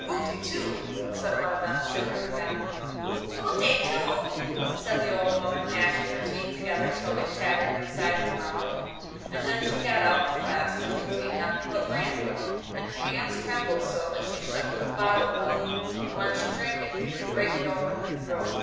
'Hutetu!' said one of them, shivering again. 'Hutetu!' said the old woman, gnashing her teeth together till they chattered inside her mouth; and then she got out the flask which contained nothing but brandy, and her hands trembled so that she shook the bottle about, and when she drank it made a great gulp in her throat.